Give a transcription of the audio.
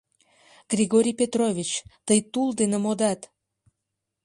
— Григорий Петрович, тый тул дене модат!..